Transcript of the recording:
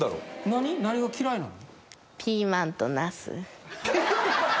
何が嫌いなの？